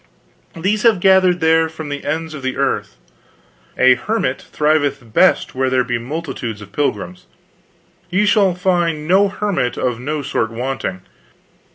"These have gathered there from the ends of the earth. A hermit thriveth best where there be multitudes of pilgrims. Ye shall not find no hermit of no sort wanting.